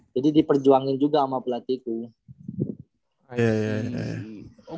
jadi diperjuangin juga sama pelatih itu